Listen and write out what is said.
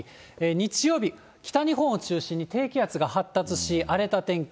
日曜日、北日本を中心に低気圧が発達し、荒れた天気。